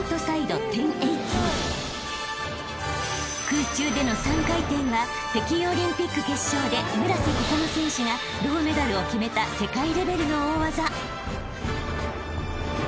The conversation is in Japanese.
［空中での３回転は北京オリンピック決勝で村瀬心椛選手が銅メダルを決めた世界レベルの大技］